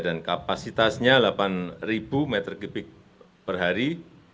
dan kapasitasnya delapan meter kubik per hari